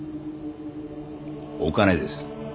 お金です。